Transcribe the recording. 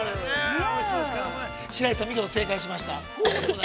白石さん、見事正解しました！